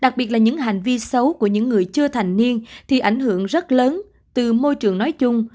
cho những người chưa thành niên thì ảnh hưởng rất lớn từ môi trường nói chung